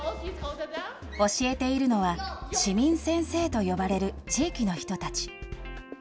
教えているのは、市民先生と呼ばれる地域の人たち。